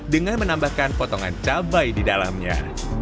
dengan menambahkan potongan cabai di dalamnya